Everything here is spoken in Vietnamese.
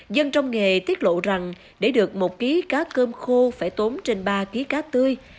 dân trong nghề tiết lộ rằng để được một kg cá cơm khô phải tốn trên ba kg cá tươi